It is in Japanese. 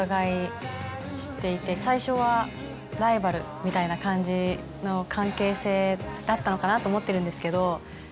みたいな感じの関係性だったのかなと思ってるんですけど。